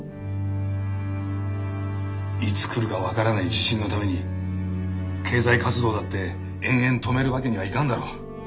いつ来るか分からない地震のために経済活動だって延々止めるわけにはいかんだろう。